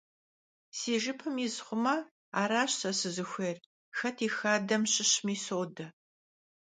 Si jjıpım yiz xhume, araş se sızıxuêyr, xet yi xadem şışmi sode.